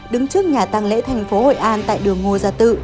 đứng trước nhà tăng lễ thành phố hội an tại đường ngô gia tự